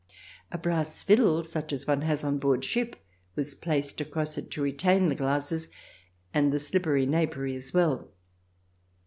A brass fiddle, such as one has on board ship, was placed across it to retain the glasses and the slippery napery as well.